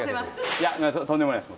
いやとんでもないです